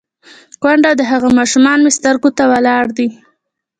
_کونډه او د هغې ماشومان مې سترګو ته ولاړ دي.